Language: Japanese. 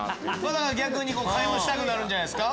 だから逆に買い物したくなるんじゃないですか。